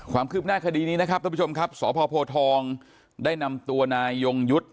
ความคืบหน้าคดีนี้นะครับท่านผู้ชมครับสพโพทองได้นำตัวนายยงยุทธ์